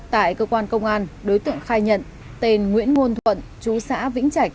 tại cơ quan công an đối tượng khai nhận tên nguyễn muôn thuận chú xã vĩnh trạch